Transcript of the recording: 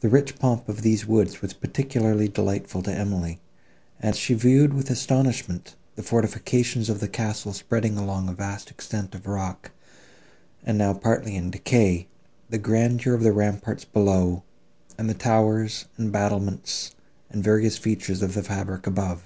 The rich pomp of these woods was particularly delightful to Emily; and she viewed with astonishment the fortifications of the castle spreading along a vast extent of rock, and now partly in decay, the grandeur of the ramparts below, and the towers and battlements and various features of the fabric above.